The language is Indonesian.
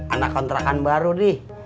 anak kontrakan baru di